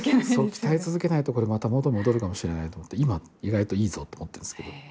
鍛え続けないと、これまた元に戻るかもしれないと思って今、意外といいぞと思ってるんですけど。